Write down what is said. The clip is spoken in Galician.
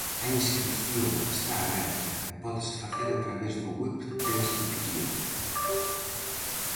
A inscrición está aberta e pódese facer a través do web da institución.